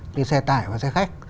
như xe tải và xe khách